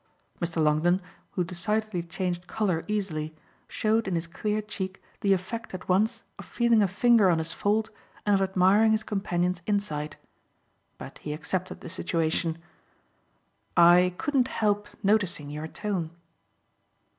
Mr. Longdon, who decidedly changed colour easily, showed in his clear cheek the effect at once of feeling a finger on his fault and of admiring his companion's insight. But he accepted the situation. "I couldn't help noticing your tone."